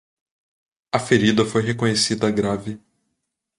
A ferida foi reconhecida grave.